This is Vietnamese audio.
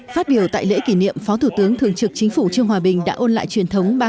phát biểu tại lễ kỷ niệm phó thủ tướng thường trực chính phủ trương hòa bình đã ôn lại truyền thống